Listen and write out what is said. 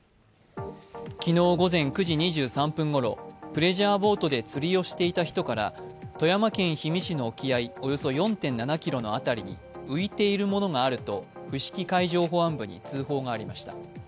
昨日午前９時２３分ごろプレジャーボートで釣りをしていた人から富山県氷見市の沖合およそ４．７ｋｍの辺りに浮いているものがあると伏木海上保安部に通報がありました。